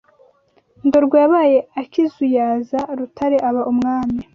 Ndorwa yabaye akizuyaza Rutare aba umwami